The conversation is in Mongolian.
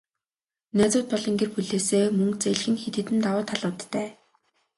Найзууд болон гэр бүлээсээ мөнгө зээлэх нь хэд хэдэн давуу талуудтай.